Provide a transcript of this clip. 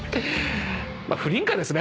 まあ不認可ですね。